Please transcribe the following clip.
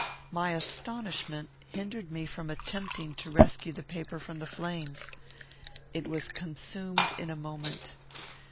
My astonishment hindered me from attempting to rescue the paper from the flames. It was consumed in a moment.